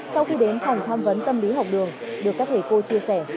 sau khi đến phòng tham vấn tâm lý học đường được các thầy cô chia sẻ